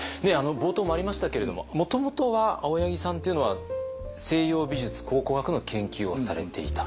冒頭もありましたけれどももともとは青柳さんっていうのは西洋美術考古学の研究をされていた。